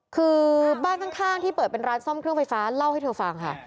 คือบ้านข้างที่เปิดเป็นร้านซ่อมเครื่องไฟฟ้าเล่าให้เธอฟังค่ะ